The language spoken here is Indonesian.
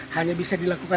hanya bisa dilekongkan